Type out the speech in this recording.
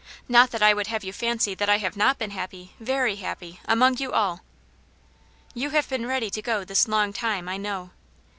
Not that I would have you fancy that I have not been happy, very happy, among you all." "You have been ready to go this long time, I know."